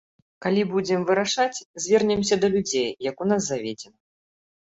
Калі будзем вырашаць, звернемся да людзей, як у нас заведзена.